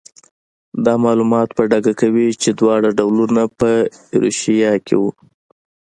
دا معلومات په ډاګه کوي چې دواړه ډولونه په ایروشیا کې وو.